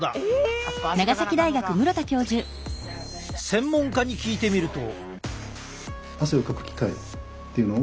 専門家に聞いてみると。